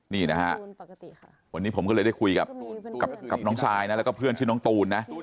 นี่นะฮะวันนี้ผมก็เลยได้คุยกับน้องซายนะแล้วก็เพื่อนชื่อน้องตูนนะ